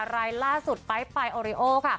รายล่าสุดป้ายปายออเรโอค่ะ